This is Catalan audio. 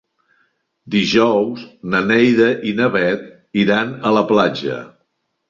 Dijous na Neida i na Bet iran a la platja.